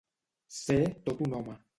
Ser tot un home.